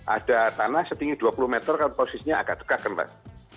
ada tanah setinggi dua puluh meter kan posisinya agak dekat kan mbak